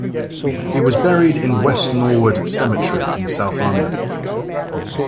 He was buried in West Norwood Cemetery in south London.